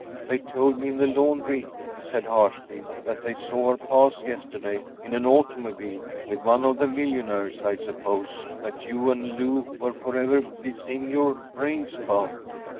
“They told me in the laundry,‚ÄĚ he said, harshly, “that they saw her pass yesterday‚ÄĒin an automobile. With one of the millionaires, I suppose, that you and Lou were forever busying your brains about.